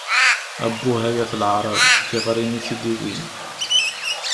Abbuh, ay at leεṛaḍ! Tiɣirin i t-id-wwin!